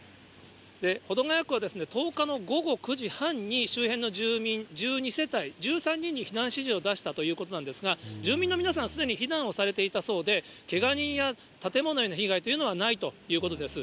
保土ケ谷区は１０日の午後９時半に、周辺の住民１２世帯１３人に避難指示を出したということなんですが、住民の皆さん、すでに避難をされていたそうで、けが人や建物への被害というのはないということです。